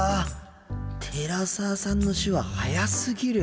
寺澤さんの手話速すぎる。